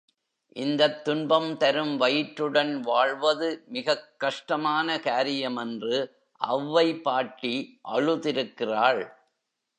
இந்தத் துன்பம்தரும் வயிற்றுடன் வாழ்வதுமிகக் கஷ்டமான காரியம் என்று அவ்வை பாட்டி அழுதிருக்கிறாள்.